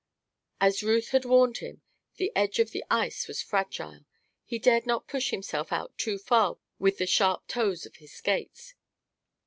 As Ruth had warned him, the edge of the ice was fragile. He dared not push himself out too far with the sharp toes of his skates.